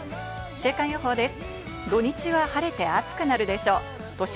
週間予報です。